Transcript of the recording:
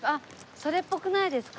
それっぽくないですか？